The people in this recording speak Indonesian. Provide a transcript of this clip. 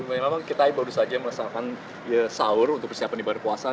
memang kita baru saja melaksanakan sahur untuk persiapan ibadah puasa